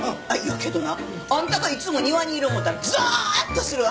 けどなあんたがいつも庭にいる思うたらぞっとするわ。